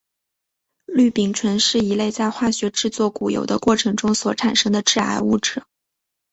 氯丙醇是一类在化学制作豉油的过程中所产生的致癌物质。